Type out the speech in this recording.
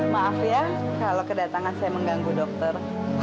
maaf ya kalau kedatangan saya mengganggu dokter